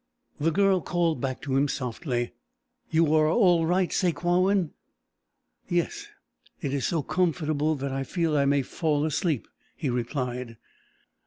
The Girl called back to him softly: "You are all right, Sakewawin?" "Yes, it is so comfortable that I feel I may fall asleep," he replied.